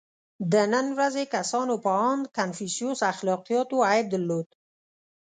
• د نن ورځې کسانو په اند کنفوسیوس اخلاقیاتو عیب درلود.